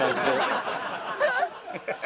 ハハハハ。